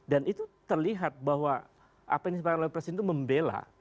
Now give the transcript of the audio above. dan itu terlihat bahwa apa yang disampaikan oleh presiden itu membela